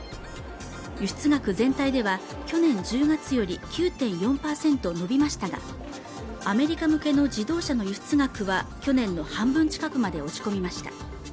輸出額全体では去年１０月より９．４％伸びましたが、アメリカ向けの自動車の輸出額は去年の半分近くまで落ち込みました。